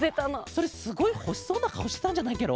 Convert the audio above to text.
それすごいほしそうなかおしてたんじゃないケロ？